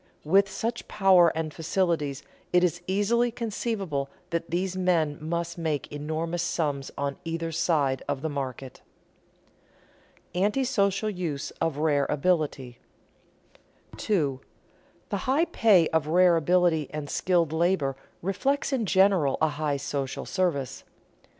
With such power and facilities it is easily conceivable that these men must make enormous sums on either side of the market." [Sidenote: Antisocial use of rare ability] 2. _The high pay of rare ability and skilled labor reflects in general a high social service.